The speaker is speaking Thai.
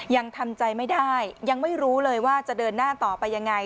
ยังทำใจไม่ได้ยังไม่รู้เลยว่าจะเดินหน้าต่อไปยังไง